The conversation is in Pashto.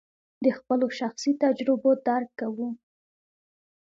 د خپلو شخصي تجربو درک کوو.